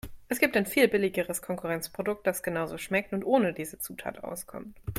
Es gibt ein viel billigeres Konkurrenzprodukt, das genauso schmeckt und ohne diese Zutat auskommt.